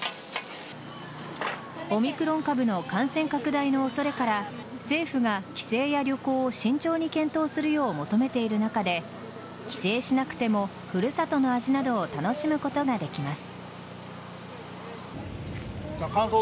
オミクロン株の感染拡大の恐れから政府が規制や旅行を慎重に検討するよう求めている中で帰省しなくても古里の味などを楽しむことができます。